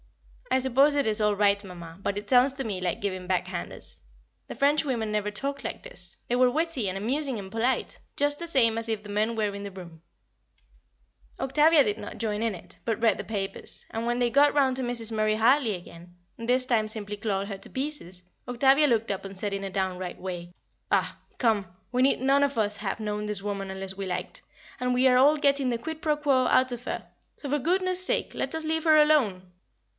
I suppose it is all right, Mamma, but it sounds to me like giving back handers. The French women never talked like this; they were witty and amusing and polite, just the same as if the men were in the room. [Sidenote: The Gossips Rebuked] Octavia did not join in it, but read the papers, and when they got round to Mrs. Murray Hartley again, and this time simply clawed her to pieces, Octavia looked up and said in a downright way, "Oh! come, we need none of us have known this woman unless we liked, and we are all getting the quid pro quo out of her, so for goodness' sake let us leave her alone."